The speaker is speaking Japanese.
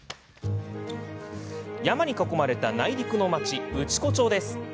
山に囲まれた内陸の町内子町です。